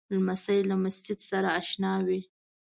لمسی له مسجد سره اشنا وي.